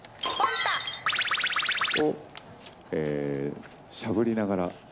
×××をしゃぶりながら。